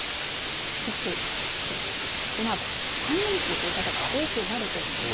そして、このあと３連休という方が多くなると思います。